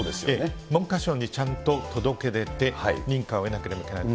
文科省にちゃんと届け出て、認可を得なければいけない。